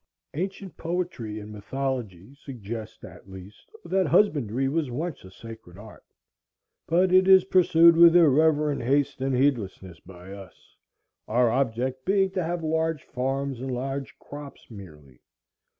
Ancient poetry and mythology suggest, at least, that husbandry was once a sacred art; but it is pursued with irreverent haste and heedlessness by us, our object being to have large farms and large crops merely.